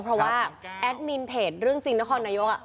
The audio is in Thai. เพราะว่าแอดมินเพจเรื่องจริงนครนายก